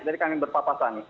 jadi kami berpapasan